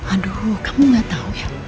aduh kamu gak tau ya